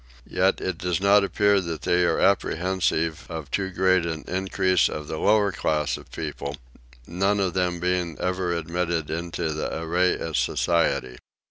Yet it does not appear that they are apprehensive of too great an increase of the lower class of people, none of them being ever admitted into the Arreoy society.